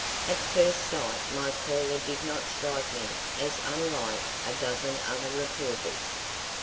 At first sight my caller did not strike me as unlike a dozen other reporters.